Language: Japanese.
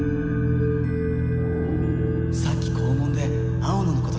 さっき校門で青野のこと聞かれたよ。